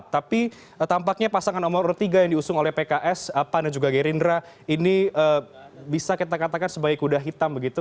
tapi tampaknya pasangan nomor urut tiga yang diusung oleh pks pan dan juga gerindra ini bisa kita katakan sebagai kuda hitam begitu